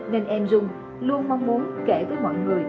nên em dung luôn mong muốn kể với mọi người